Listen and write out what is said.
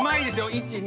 １２。